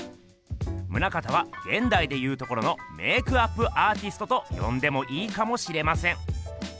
棟方はげんだいでいうところのメークアップアーティストとよんでもいいかもしれません。